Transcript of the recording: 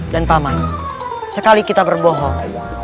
dan pak man sekali kita berbohong